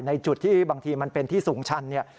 ในจุดที่บางทีมันเป็นที่สูงชัน